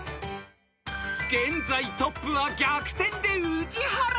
［現在トップは逆転で宇治原ペア］